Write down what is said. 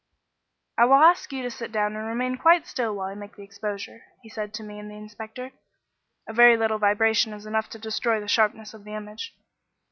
"I will ask you to sit down and remain quite still while I make the exposure," he said to me and the inspector. "A very little vibration is enough to destroy the sharpness of the image."